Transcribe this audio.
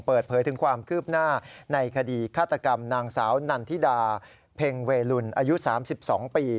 เปิดเผยถึงความคืบหน้าในคดีฆาตกรรมนางสาวนันทิดาเพ็งเวลุนอายุ๓๒ปี